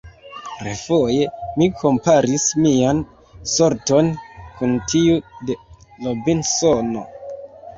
Refoje mi komparis mian sorton kun tiu de Robinsono.